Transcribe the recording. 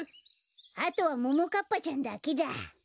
あとはももかっぱちゃんだけだ。